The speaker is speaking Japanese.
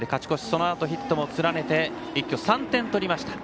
そのあとヒットも連ねて一挙３点取りました。